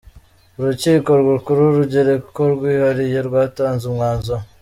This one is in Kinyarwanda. Urukiko Rukuru urugereko rwihariye rwatanze umwanzuro.